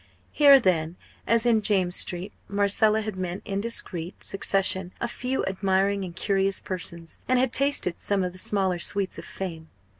Here then, as in James Street, Marcella had met in discreet succession a few admiring and curious persons, and had tasted some of the smaller sweets of fame.